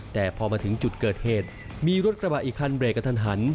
แต่พอมาถึงจุดเกิดเหตุมีรถกระบะอีกคันเรกกระทันหัน